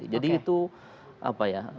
jadi itu apa ya